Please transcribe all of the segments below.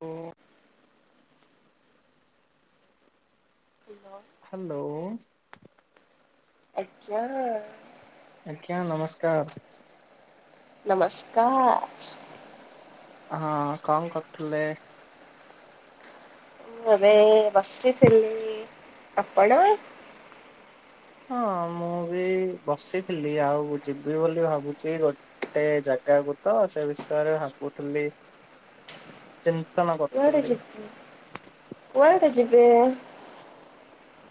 ଓ ପଲ [inaudible] hello. ଆଜ୍ଞା। ଆଜ୍ଞା ନମସ୍କାର। ନମସ୍କାଜ। ହଁ କଣ କରଥୁଲେ? ମୁଁ ଏବେ ବସିଥିଲି ଆପଣ? ହଁ ମୁଁ ବି ବସିଥିଲି ଆଉ ଯିବି ବୋଲି ଭାବୁଚି ର ଗୋଟେ ଜାଗାକୁ ତ ସେ ବିଷୟରେ ଭାବୁଥୁଲି ଚିମ୍ କୁଆଡେ ଯିବୁ କୁଆଡେ ଯିବେ?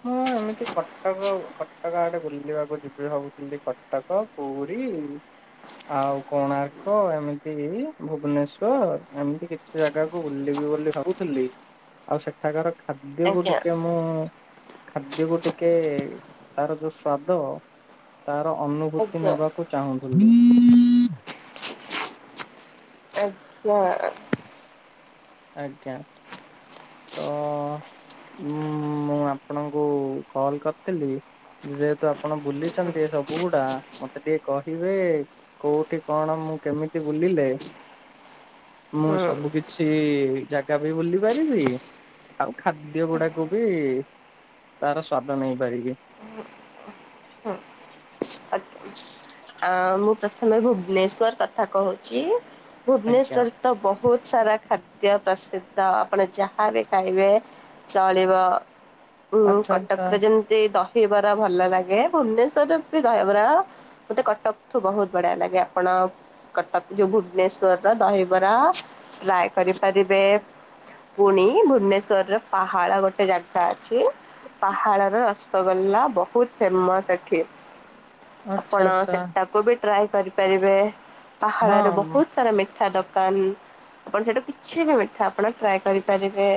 ମୁଁ ଏମ ଏମିତି କଟକ କଟକ ଆଡେ ବୁଲିବାକୁ ଯିବି ଭାବୁଥିଲି କଟକ, ପୁରୀ ଆଉ କୋଣାର୍କ ଏମିତି ଭୁବନେଶ୍ଵର ଏମିତି କି କିଛି ଜାଗାକୁ ବୁଲିବି ବୋଲି ମୁଁ ଭାବୁଥିଲି ଆଉ ସେଠାକାର ଖାଦ୍ୟକୁ ଆଜ୍ଞା ଟିକେ ମୁଁ ଖାଦ୍ୟକୁ ଟିକେ ତାର ଯୋଉ ସ୍ଵାଦ ତାର ଅନୁଭୂତି ଆଜ୍ଞା ନବାକୁ ଚାହୁଁଥୁ ଆଛା ଆଜ୍ଞା ତ ଉଁ ମୁଁ ଆପଣଙ୍କୁ କଲ୍ କରିଥିଲି କି? ଯେହେତୁ ଆପଣ ବୁଲିଚନ୍ତି ସବୁ ଗୁଡା ମତେ ଟିକେ କହିବେ କୋଉଠି କଣ ମୁଁ କେମିତି ବୁଲିଲେ ମୁଁ ସବୁ କିଛି ଛି ଜାଗା ବି ବୁଲି ପାରିବି ଆଉ ଖାଦ୍ୟ ଗୁଡାକୁ ବି ତାର ସ୍ଵାଦ ନେଇପାରିବି। ଆଜ୍ଞା। ଆ ମୁଁ ପ୍ରଥମେ ଭୁବନେଶ୍ଵର କଥା କହୁଛି ଆଜ୍ଞା ଭୁବନେଶ୍ଵର ତ ବହୁତ ସାରା ଖାଦ୍ୟ ପ୍ରସିଦ୍ଧ ଆପଣ ଯାହା ବି ଖାଇବେ ଚାଳିବ। ଉୁଁ ଆଚ୍ଛା ଆଚ୍ଛା କଟକ ରେ ଯେମତି ଦହିବରା ଭଲ ଲାଗେ ଭୁବନେଶ୍ଵରରେ ବି ଦହିବରା ମତେ କଟକଠୁ ବହୁତ ବଢିଆ ଲାଗେ ଆପଣ କଟକ ଯୋଉ ଭୁବନେଶ୍ଵରର ଦହିବରା ଟ୍ରାଏ କରିପାରିବେ? ପୁଣି ଭୁବନେଶ୍ୱରର ପାହାଳ ଗୋଟେ ଜାଗା ଗା ଅଛି ପାହାଡର ରସଗୋ୍ଲା ବହୁତ ଫେମସ ଏଠି। ଆଚ୍ଛା ଆପଣ ଆଚ୍ଛା ସେଟାକୁ ବି ଟ୍ରାଏ କରିପାରିବେ ହଁ ପାହାଳରେ ବହୁତ ସାରା ମିଠା ଦୋକା କାନ ଆପଣ ସେଟା କିଛି ବି ମିଠା ଆପଣ ଟ୍ରାଏ କରିପାରିବେ?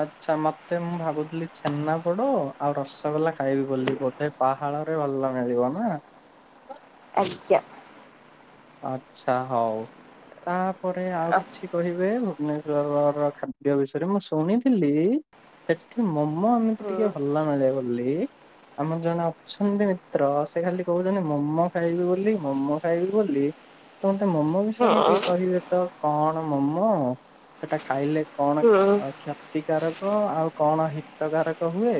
ଆଚ୍ଛା ମତେ ମୁଁ ଭାବୁଥିଲି ଛେନା ପୋଡ ଆଉ ରସଗୋଲା ଖାଇବି ବୋଲି ବୋଧେ ପାହାଡ ରେ ଭଲ ମିଳିବ ନା। ଆଜ୍ଞା। ଆଚ୍ଛା ହଉ ତାପରେ ଆଉ କିଛି କହିବେ ହେବ? ଭୁବନେଶ୍ଵରର ଖାଦ୍ୟ ବିଷୟରେ ମୁଁ ଶୁଣିଥିଲି ସେଠି ମୋମୋ ମୋମୋ ଏମିତି ଟିକେ ଭଲ [unintelligible] ଭଲ ଲାଗେ। ଆମର ଜଣେ ଅଛନ୍ତି ମିତ୍ର ସେ ଖାଲି କହୁଛନ୍ତି ମୋମୋ ଖାଇବି ବୋଲି ମୋମୋ ଖାଇବି ବୋଲି। ତମେ ମୋମୋ ହୁଁ ବିଷୟରେ କିଏ କହିବେ ତ କଣ ମୋମୋ ସେଟା ଖାଇଲେ କଣ ହୁଁ ତ ଆଜ୍ଞା। କ୍ଷତିକାରାରକ ଆଉ କଣ ହିତକାରକ ହୁଏ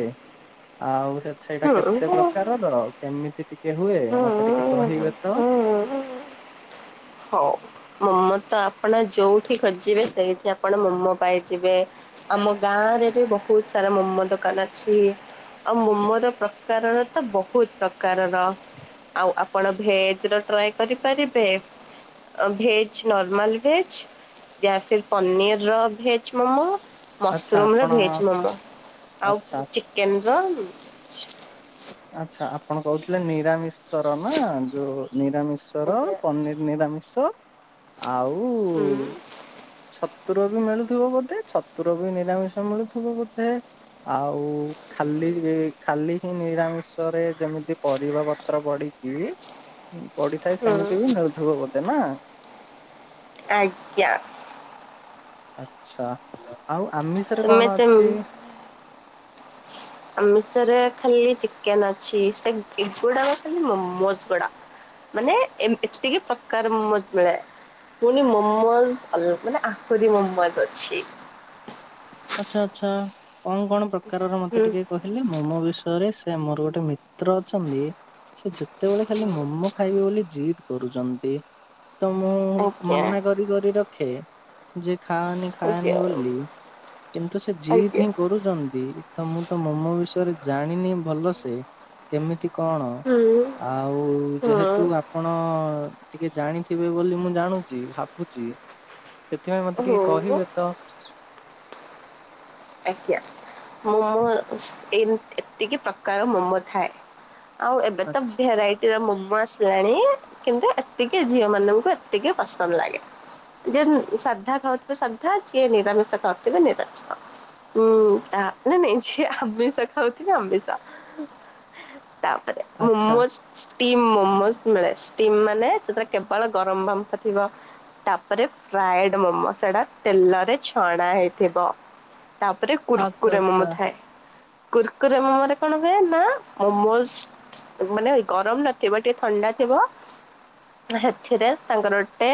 ଆଉ ସେ ସେଇଟା ହୁଁ କେତେ ପ୍ରକାରର କେମିତି ଟିକେ ହୁଏ ମତେ ଟିକେ ହୁଁ କହିବେ ତ? ହୁଁ। ହଉ ମୋମୋ ତ ଆପଣ ଯୋଉଠି ଖଜିବେ ସେଇଠି ଆପଣ ମୋମୋ ପାଇଯିବେ? ଆମ ଗାଁ ରେ ବି ବହୁତ ସାରା ମମୋ ଦୋକାନ ଅଛି। ଆଉ ମୋମୋର ପ୍ରକାର ଭେଦ ତ ବହୁତ ପ୍ରକାରର। ଆଉ ଆପଣ ଭେଜର ଟ୍ରାଏ କରିପାରିବେ ଆ ଭେ ଛି ନର୍ମାଲ ଭେଜ ୟା ସେ ପନିରର ଭେଜ ମୋମୋ ଆଚ୍ଛା ମସରୁମ ର ଆପଣ ଭେଜ ମୋମୋ ଆଉ ଆଚ୍ଛା ଚିକେନ ର ଆଚ୍ଛା ଆପଣ କହୁଥିଲେ ନିରାମିଷର ନା ଯୋଉ ନିରାମିଷ ର ପନିର ନିରାମିଷ ଆଉ ହୁଁ ଛତୁର ବି ମିଳୁଥିବ ବୋଧେ ଛତୁର ବି ନିରାମିଷ ମିଳୁଥିବ ବୋଧେ? ଆଉ ଖାଲି ଇ ଖାଲି ହିଁ ନିରାମିଷ ସଷରେ ଯେମିତି ପରିବା ପତ୍ର ପଡିକି ପଡିଥାଏ ହୁଁ ସେମିତି ବି ମିଳୁଥିବ ବୋଧେ ନା। ଆଜ୍ଞା। ଆଛା ଆଉ ଆମିଷରେ ତୁମେ କଣ ତ ଅଛି? ଆମିଷରେ ଖାଲି ଚିକେନ ଅଛି ସେ ସେଗୁଡାକ ଖାଲି ମମୋ ଗୁଡା। ମାନେ ଏମଷ୍ଟିକ ଏତିକି ପ୍ରକାର ମୋମସ ମିଳେ। ପୁଣି ମୋମୋସ ଅଲ ମାନେ ଆହୁରି ମୋମୋସ ଅଛି। ଆଚ୍ଛା ଆଚ୍ଛା କଣ କଣ ପ୍ରକାରର ମତେ ହୁଁ ଟିକେ କହିଲେ ମୋମୋ ବିଷୟରେ ସେ ମୋର ଗୋଟେ ମିତ୍ର ଅଛନ୍ତି ସେ ଯେତେବେଳେ ଖାଲି ମୋମୋ ଖାଇବେ ବୋଲି ଜିଦ୍ କରୁଛନ୍ତି। ତ ମୁଁ ଆଜ୍ଞା ମନା କରି କରି ରଖେ ଯେ ଖାଆନି ଆଜ୍ଞା ଖାଆନି ବୋଲି କିନ୍ତୁ ସେ ଯିଦି ଆଜ୍ଞା ହିଁ କରୁଛନ୍ତି ତ ମୁଁ ତ ମୋମୋ ବିଷୟରେ ଜାଣିନି ଭଲସେ କେମିତି କଣ ହୁଁ ଆଉ ହୁଁ। ଯେହେତୁ ଆପଣ ଟିକେ ଜାଣିଥିବେ ବୋଲି ମୁଁ ଜାଣୁଛି ଭାବୁଛି। ସେଥିପାଇଁ ମତେ ଟିକେ ହୁଁ କହିବେ ତ। ଆଜ୍ଞା ମୋମୋ ଏତିକି ପ୍ରକାର ମୋମୋ ଥାଏ। ଆଉ ଏବେ ତ ଆଚ୍ଛା ଭେରାଇଟି ଏ ମୋମୋ ଆସିଲାଣି କିନ୍ତୁ ଏତିକି ଝିଅ ମାନଙ୍କୁ ଏତିକି ପସନ୍ଦ ଲାଗେ। ଯେ ସାଧା ଖାଉଥିବେ ସାଧା ଯିଏ ନିରାମିଷ ଖାଉଥିବେ ନିରାମିଷ ହୁଁ ନ ନାଇଁ ଯ ଆମ୍ସା ଖାଉଛି ଆମ୍ମସା। ତାପରେ ଆଚ୍ଛା ମୋମୋସ୍ ଷ୍ଟିମ୍ ମୋମୋ ମୀଳେ ଷ୍ଟିମ୍ ମାନେ କେବଳ ଗରମ ବାମ୍ଫ ଥିବ। ତାପରେ ଫ୍ରାଏଡ ମମୋସ ଟା ତେଲରେ ଛଣା ହେଇଥିବ। ତାପରେ ଆଚ୍ଛା କୁର୍କୁରା ମୋମୋ ଆଚ୍ଛା। ଥାଏ। କୁର୍କୁର ମୋମୋରେ କଣ ହୁଏ ନା ମୋମୋଜ ମାନେ ଗରମ ନଥିବ ଟିକେ ଥଣ୍ଡା ଥିବ ସେଥିରେ ସାଙ୍ଗରଟେ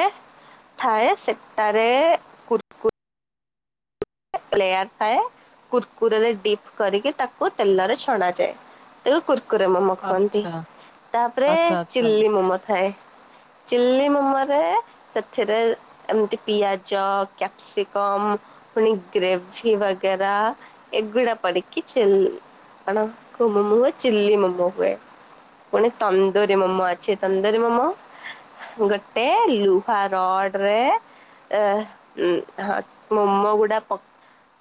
ଥାଏ ସେଟାରେ କୁର୍ ଲେୟାର ଥାଏ କୁର୍କୁରରେ ଡିପ କରିକି ତାକୁ ତେଲରେ ଛଣାଯାଏ। ତେବେ କୁର୍କୁରେ ମୋମ ଖୁଆନ୍ତି ଆଚ୍ଛା ତାପରେ ଆଚ୍ଛା ଆଚ୍ଛା ଚିଲ୍ଲି ମୋମୋ ଥାଏ। ଚିଲି ମୋମୋ ରେ ସେଥିରେ ଏମିତି ପିଆଜ କ୍ୟାପସିକମ ପୁଣି ଗ୍ରେଭି ବଗରା ଏଗଡ଼ପଡ଼କି ଚଲ ଆପଣଙ୍କ ମୋମ ହୁଏ ଚିଲ୍ଲି ମୋମୋ ହୁଏ। କୁଣିେ ତନ୍ଦରୀ ମାମ ଅଛେ ତନ୍ଦରିୀ ମାମ ଗୋଟେ ଲୁହା ରଡରେ। ଅ ଉ ମୋମୋ ଗୁଡା ପ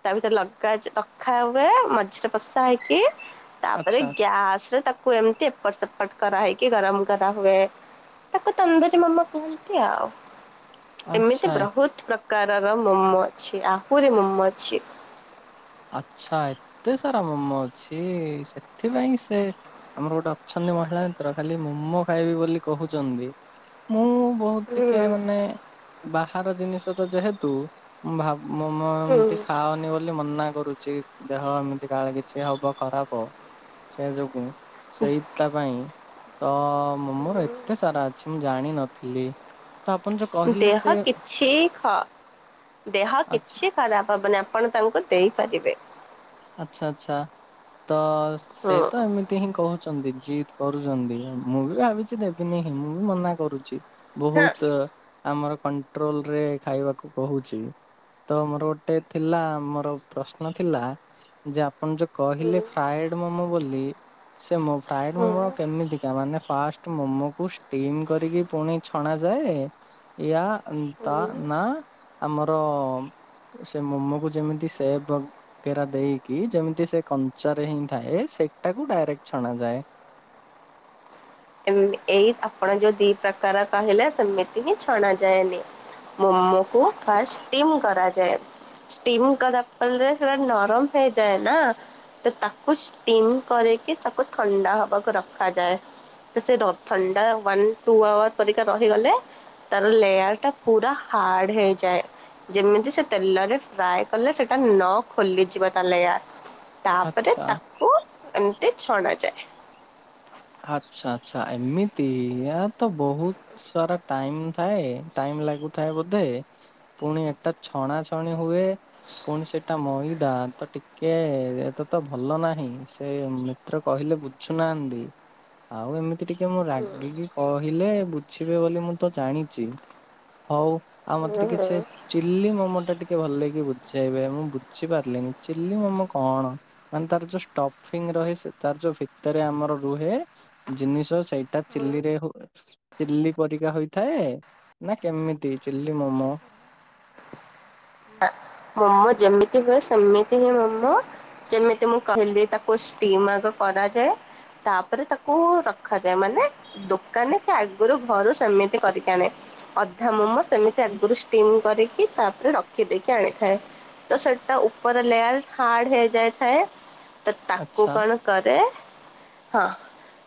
ତା ଭିତରେ ଲଗା ରଖା ହୁଏ ମଝିରେ ବସା ହେଇକି ତାପରେ ଆଚ୍ଛା ଗ୍ୟାସ ରେ ତାକୁ ଏମିତି ଏପଟ ସେପଟ କରାହେଇକି ଗରମ କରାହୁୁଏ। ତାକୁ ତନ୍ଦୁରୀ ମୋମୋ କହନ୍ତି ଆଉ। ଏମିତି ଆଚ୍ଛା ବହୁତ ପ୍ରକାରର ମୋମ ଅଛି ଆହୁରି ମୋମୋ ଅଛି। ଆଚ୍ଛା ଏତେ ସାରା ମୋମ ଅଛି ସେଥିପାଇଁ ସେ ଆମର ଗୋଟେ ଅଛନ୍ତି ମହିଳା ମିତ୍ର ଖାଲି ମୋମୋ ଖାଇବି ବୋଲି କହୁଛନ୍ତି। ମୁଁ ବହୁତ ହୁଁ ଟିକେ ମାନେ ବାହାର ଜିନିଷ ତ ଯେହେତୁଁ ଭାବୁ ମୋମୋ ହୁଁ ଏମତି ଖାାଉନି ବୋଲି ମନା କରୁଛି ଦେହ ଏମିତି କାଳେ କିଛି ହବ ଖରାପ ସେହି ଯୋଗୁଁ ସେଇଟା ପାଇଁ ତ ମୋମୋ ଏତେ ସାରା ଅଛି ମୁଁ ଜାଣିନଥିଲି। ତପଣ ଯକ ଦେହ କିଛି ହ- ଦେହ ଆଚ୍ଛା କିଛି ଖରାପ ହେବନି ଆପଣ ତାଙ୍କୁ ଦେଇପାରିବେ। ଆଚ୍ଛା ଆଚଛା ତ ସେ ହୁଁ। ତ ଏମିତି ହିଁ କହୁଛନ୍ତି ଜିଦ୍ କରୁଛନ୍ତି ମୁଁ ବି ଭାବିଛି ଦେବିନିଁ ମୁଁ ବି ମନା କରୁଛି। ମୁଁ ହଁ ବହୁତ୍ ଆମର କଣ୍ଟ୍ରୋଲ ରେ ଖାଇବାକୁ କହୁଚି। ତ ଆମର ଗୋଟେ ଥିଲା ଆମର ପ୍ରଶ୍ନ ଥିଲା ଯେ ଆପଣ ଯୋଉ କହିଲେ ଫ୍ରାଏଡ ମମୋ ବୋଲି ସେ ମୋ-ଫ୍ରାଇଡ ହଁ ମୋମୋ କେମିତିକା ମାନେ ଫାଷ୍ଟ ମୋମୋକୁୁ ଷ୍ଟିମ୍ କରିକି ପୁଣି ଛଣା ଯାଏ ଇୟା ତା ହଁ। ନା ଆମର ସେ ମୋମୋକୁ ଯେମିତି ସେବ୍ କେରା ଦେଇକି ଯେମିତି ସେ କଞ୍ଚାରେ ହିଁ ଥାଏ ସେଇଟାକୁ ଡାଇରେକ୍ଟ ଛଣାଯାଏ। ଏଇ ଆପଣ ଯୋଉ ଦି ପ୍ରକାର କହିଲା ସେମିତି ହିଁ ଛଣା ଯାଏନି। ମୋମୋ କୁ ଫାର୍ଷ୍ଟ ଟିମ୍ କରାଯାଏ। ଷ୍ଟିମ୍ କରା ପର୍ ରେ ସେଗୁରା ନରମ ହେଇଯାଏ ନା। ତ ତାକୁ ଷ୍ଟିମ କରିକି ତାକୁ ଥଣ୍ଡା ହବାକୁ ରଖାଯାଏ। ସେ ର-ଥଣ୍ଡା ୱାନ୍ ଟୁ ଆୱାର ପରିକା ରହିଗଲେ ତାର ଲେୟାର୍ ଟା ପୁରା ହାର୍ଡ ହେଇଯାଏ। ଯେମିତି ସେ ତେଲରେ ଫ୍ରାଏ କଲେ ସେଟା ନ ଖୋଲିଯିବ ତା ଲେୟାର୍। ତାପରେ ଆଚ୍ଛା। ତାକୁ ଏମ୍ତି ଛଣା ଯାଏ। ଆଛା ଆଚ୍ଛା ଏମିତି ଇଆ ତ ବହୁତ୍ ସାରା ଟାଇମ୍ ଥାଏ ଟାଇମ୍ ଲାଗୁଥାଏ ବୋଧେ। ପୁଣି ଏକଟା ଛଣା ଛଣି ହୁଏ। ପୁଣି ସେଟା ମଇଦା ତ ଟିକେ ଏ ତ ତ ଭଲ ନାହିଁ ସେ ଥର କହିଲେ ବୁଝୁନାହାନ୍ତି। ଆଉ ଏମିତି ଟିକେ ମୁଁ ରାଗିକି କହିଲେ ବୁଝିବେ ବୋଲି ମୁଁ ତ ଜାଣିଛି। ହଉ ଆଉ ମତେ ଟିକିଏ ଛେ ଚିଲ୍ଲି ମୋମୋ ଟା ଟିକେ ଭଲ କି ବୁଝେଇବେ ମୁଁ ବୁଝିପାରିଲିନି ଚିଲ୍ଲି ମୋମୋ କଣ? ମାନେ ତାର ଯୋଉ ଷ୍ଟଫିଙ୍ଗ୍ ରହେ ତାର ଯୋଉ ଭିତରେ ଆମର ରୁହେ ଜିନିଷ ସେଇଟା ଚିଲ୍ଲିରେ ହୁଏ ଚିଲ୍ଲି ପରିକା ହୋଇଥାଏ ନା କେମିତି ଚଲ୍ଲି ମୋମୋ ମମ ଯେମିତି ହୁଏ ସେମିତି ହିଁ ମୋମୋ ଯେମିତି ମୁଁ କହିଲି ତା ପୃଷ୍ଟି ମାଗ କରାଯାଏ ତାପରେ ତାକୁ ରଖାଯାଏ ମାନେ ଦୋକାନୀ ସେ ଆଗରୁ ଘରୁ ସେମିତି କରିକି ଆଣେ ଅଧା ମୋମୋ ସେମିତି ସେ ଆଗୁରୁ ଷ୍ଟିମ୍ କରିକି ତାପରେ ରଖିଦେଇ ଆଣିଥାଏ ତ ସେଟା ଉପର ଲେୟାର ହାର୍ଡ଼ ହେଇଯାଇଥାଏ। ସେ ତାକୁ ଆଚ୍ଛା କଣ କରେ ହଁ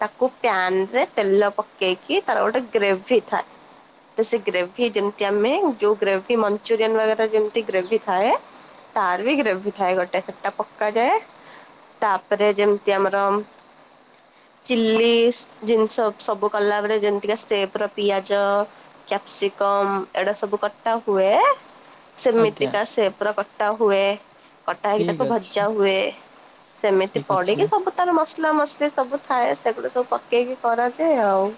ତାକୁ ପ୍ୟାନ୍ ରେ ତେଲ ପକେଇକି ତାର ଗୋଟେ ଗ୍ରେଭି ଥାଏ। ସେ ଗ୍ରେଭି ଯେମିତି ଆମେ ଯୋଉ ଗ୍ରେଭି ମଞ୍ଚୁରିୟାନ୍ ବାଗେରା ଯେମ୍ତି ଯେମିତି ଗ୍ରେଭି ଥାଏ। ତାର୍ ବି ଗ୍ରେଭି ଥାଏ ଗୋଟେ ତାର ବି ପକାଯାଏ। ତାପରେ ଯେମିତି ଆମର ଚିଲ୍ଲିସ୍ ଜିନିଷ ସବୁ କଲା ବେଳେ ଯେମିତିକା ସେପ୍ ର ପିଆଜ କ୍ୟାସିକମ୍ ଏଡ଼ା ସବୁ କଟା ହୁଏ। ଆଜ୍ଞା ସେମିତିକା ସେପ୍ ର କଟା ହୁଏ। କଟା ହେଇକି ଠିକ ତାକୁ ଭଜା ଅଛି ହୁଏ ସେମିତି ଠିକ ଅଛି। ପଡ଼ିକି ସବୁ ତାର ମସଲା ମସଲି ସବୁ ଥାଏ ସେଗୁଡ଼ି ସବୁ ପକେଇକି କରାଯାଏ ଆଉ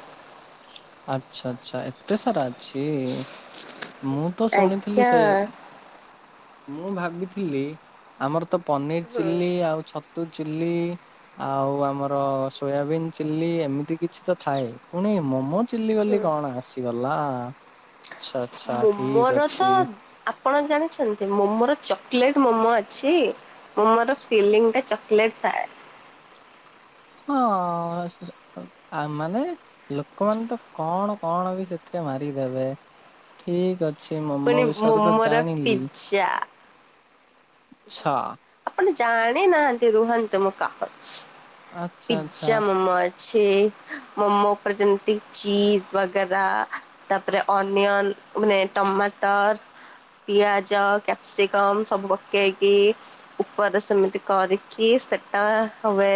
ଆଚ୍ଛା ଚ୍ଛା ଏତେ ସାରା ଅଛି। ମୁଁ ତ ଶୁଣିଥିଲି ଆଜ୍ଞା। ସେୟାକୁ ମୁଁ ଭାବିଥିଲି ଆମର୍ ତ ପନିର୍ ଚିଲ୍ଲି ଆଉ ଛତୁ ଚିଲ୍ଲି ଆଉ ଆମର ସୋୟାବିନ୍ ଚିଲ୍ଲି ଏମିତି କିଛି ତ ଥାଏ ପୁଣି ମୋମୋ ଚିଲ୍ଲି ବୋଲି କଣ ଆସିଗଲା ଆଚ୍ଛା ଆଚ୍ଛା ଠିକ୍ ମୋମୋର ତ ଅଛି। ଆପଣ ଜାଣିଛନ୍ତି ମୋମୋର ଚକଲେଟ୍ ମୋମୋ ଅଛି ମୋମୋର ଫିଲିଙ୍ଗ୍ ଟା ଚକି କ୍ଲେଟ୍ ଥାଏ ହଁ ସ୍ ଆ ମାନେ ଲୋକମାନେ ତ କଣ କଣ ବି ସେଥିରେ ମାରିଦେବେ ଠିକ୍ ଅଛି ସେ ପୁଣି ମୋମୋ ବିଷୟରେ ତ ମୋମୋର ଜାଣିଲି। ପିଜ୍ଜା ଆଚ୍ଛା ଆପଣ ଜାଣି ନାହାନ୍ତି ରୁହନ୍ତୁ ମୁଁ କହୁଛି। ଆଚ୍ଛା ଆଚ୍ଛା ପିଜ୍ଜା ମୋମୋ ଛି ମୋମୋ ଉପରେ ଯେମିତି ଚିଜ୍ ବଗେରା ତାପରେ ଅନିଅନ ମାନେ ଟମାଟର୍। ପିଆଜ, କ୍ୟାପ୍ସିକମ୍ ସବୁ ପକେଇ ପକେଇକି ଉପରେ ସେମିତି କରିକି ସେଟା ହୁଏ।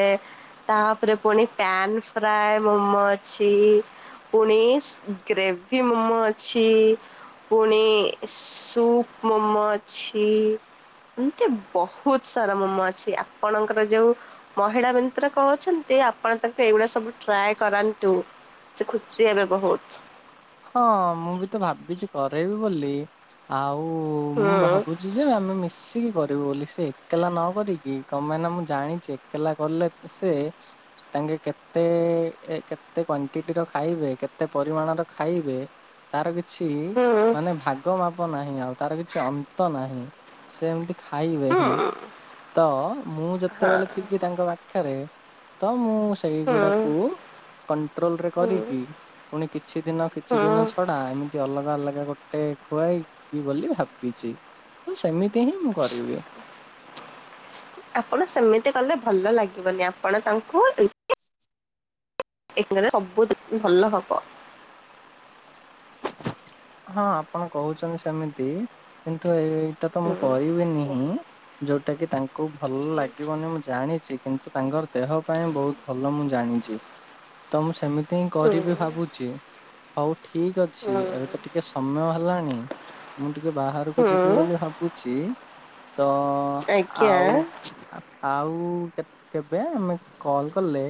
ତାପରେ ପୁଣି ପ୍ୟନ୍ ଫ୍ରାଏ ମୋମୋ ଅଛି। ପୁଣି ସ୍ ଗ୍ରେଭି ମୋମୋ ଅଛି। ପୁଣି ସୂପ୍ ମୋମୋ ଅଛି। ଏମତି ବହୁତ୍ ସାରା ମୋମୋ ଅଛି ଆପଣଙ୍କର ଯୋଉ ମହିଳା ମିତ୍ର କଣ କୋହୁଛନ୍ତି ଆପଣ ତାଙ୍କୁ ଏଇଗୁଡା ସବୁ ଟ୍ରାଏ କରାନ୍ତୁ। ସେ ଖୁସି ହେବେ ବହୁତ୍ ହଁ ମୁଁ ବି ତ ଭାବିଛି କରେଇବି ବୋଲି ଆଉ ହୁଁ ମୁଁ ଭାବୁ ଜେଜେମା ଆମେ ମିଶିକି କରିବୁ ବୋଲି ସେ ଏକଲା ନ କରିକି ତମେ ନା ମୁଁ ଜାଣିଛି ଏକଲା କଲେ ସେ ତାଙ୍କେ କେତେ କେତେ କୁଣ୍ଟିଟିର ଖାଇବେ କେତେ ପରିମାଣ ର ଖାଇବେ ତାର କିଛି ହୁଁ ମାନେ ଭାଗ ମାପ ନାହିଁ। ଆଉ ତାର କିଛି ଅନ୍ତ ନାହିଁ ସେମତି ହୁଁ [unintelligible] ମୁଁ ବି ତାଙ୍କ ପାଖରେ ତ ମୁଁ ହୁଁ ସେଇଗୁଡାକୁ କଣ୍ଟ୍ରୋଲରେ ହୁଁ କରିକି ପୁଣି କିଛି କିଛି ଦିନ କିଛି ହୁଁ ଦିନ ଛଡା ଏମିତି ଅଲଗା ଅଲଗା ଗୋଟେ। ଗୋଟେ ଖୁଆଇବି ବୋଲି ଭାବିଛି ତ ସେମିତି ହିଁ ମୁଁ କରିବି। ଆପଣ ସେମିତି କଲେ ଭଲ ଲାଗିବନି ଆପଣ ତାଙ୍କୁ, ଏମିତି କଲେ ସବୁଦିନ ଭଲ ହବ। ହଁ ଆପଣ କହୁଛନ୍ତି ସେମିତି କିନ୍ତୁ ଏଇଟା ତ ମୁଁ ହୁଁ କହିବିନି। ଯୋଉଟା କି ତାଙ୍କୁ ଭଲ ଲାଗିବନି ମୁଁ ଜାଣିଛି କିନ୍ତୁ ତାଙ୍କର ଦେହ ପାଇଁ ବହୁତ। ଭଲ ମୁଁ ଜାଣିଛି। ତ ମୁଁ ସେମିତି ହିଁ ହୁଁ କରିବି ଭାବୁଛି, ହଉ ଠିକ ଅଛି ହୁଁ ଏବେ ତ ଟିକେ। ଟିକେ ସମୟ ହେଲାଣି ମୁଁ ଟିକେ ବାହାରକୁ ଯିବି ହୁଁ ବୋଲି ଭାବୁଛି। ତ ଆଜ୍ଞା। ଆଉ? ଆଉ କେବେ ଆମେ କଲ କଲେ।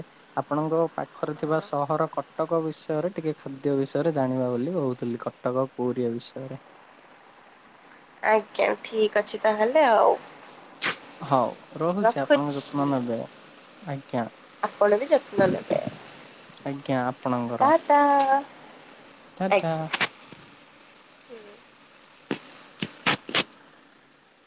ଆପଣଙ୍କ ପାଖରେ ଥିବା ସହର କଟକ ବିଷୟରେ ଟିକେ ଖାଦ୍ୟ ବିଷୟରେ ଜାଣିବା ବୋଲି କହୁଥିଲି। କଟକ ପୁରୀ ଏ ବିଷୟରେ। ଆଜ୍ଞା, ଠିକ ଅଛି ତାହେଲେ ଆଉ। ହଉ ରହୁଛି ଆପଣଙ୍କ ରଖୁଛି। ଯତ୍ନ ନେବେ, ଆଜ୍ଞା। ଆପଣ ବି ଯତ୍ନ ନେବେ। ଆଜ୍ଞା, ଆପଣଙ୍କର? ତ ଟାଟା।